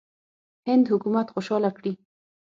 هند حکومت خوشاله کړي.